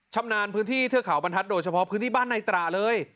ชำนาญพื้นที่เทือกเขาบรรทัศน์โดยเฉพาะพื้นที่บ้านในตราเลย